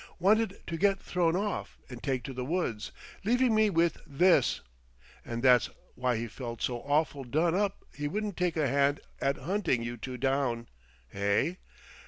Wanted to get thrown off and take to the woods leaving me with this! And that's why he felt so awful done up he wouldn't take a hand at hunting you two down, hey?